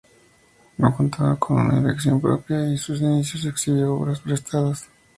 No contaba con una colección propia, y en sus inicios exhibió obras prestadas.